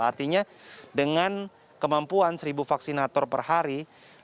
artinya dengan kemampuan seribu vaksinator per hari